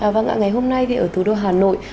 vâng ạ ngày hôm nay thì ở thủ đô hà nội